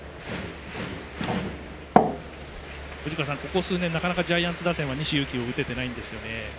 ここ数年、なかなかジャイアンツ打線は西勇輝打ててないんですよね。